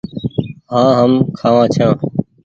هآن هم کآوآن ڇآن ۔